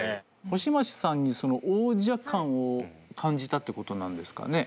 星街さんに王者感を感じたってことなんですかね？